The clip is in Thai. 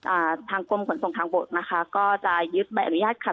อ่าทางกรมขนส่งทางบกนะคะก็จะยึดใบอนุญาตขับ